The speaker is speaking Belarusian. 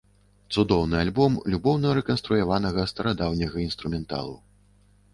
Цудоўны альбом любоўна рэканструяванага старадаўняга інструменталу.